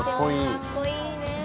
かっこいい。